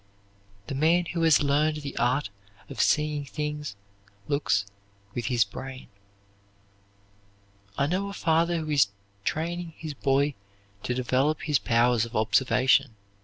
The man who has learned the art of seeing things looks with his brain. I know a father who is training his boy to develop his powers of observation.